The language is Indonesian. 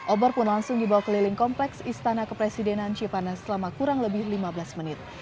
obor pun langsung dibawa keliling kompleks istana kepresidenan cipanas selama kurang lebih lima belas menit